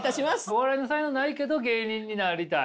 お笑いの才能ないけど芸人になりたい。